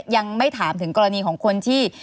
ยังไม่ถามถึงกรณีของคนที่